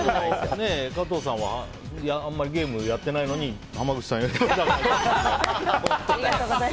加藤さんはあんまりゲームやっていないのに濱口さんより高い。